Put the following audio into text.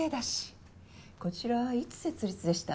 こちらいつ設立でした？